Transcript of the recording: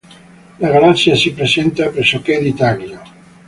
La galassia si presenta pressoché di taglio.